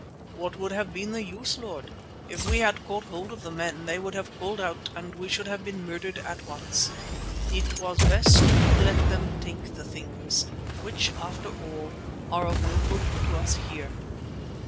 "What would have been the use, Lord? If we had caught hold of the men, they would have called out and we should have been murdered at once. It was best to let them take the things, which after all are of no good to us here."